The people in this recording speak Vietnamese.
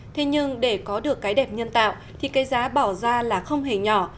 thế nhưng để có được cái đẹp nhân tạo thì cái giá bỏ ra là không hề nhỏ